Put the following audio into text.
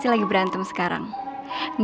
kau masih bangga stirring ini